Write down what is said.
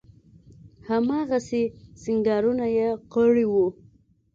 هماغسې سينګارونه يې کړي وو.